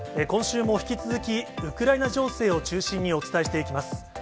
今週も引き続き、ウクライナ情勢を中心にお伝えしていきます。